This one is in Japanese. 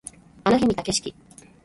あの日見た景色